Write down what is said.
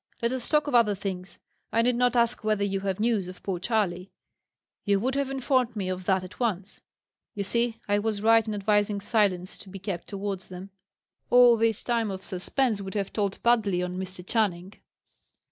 Let us talk of other things. I need not ask whether you have news of poor Charley; you would have informed me of that at once. You see, I was right in advising silence to be kept towards them. All this time of suspense would have told badly on Mr. Channing."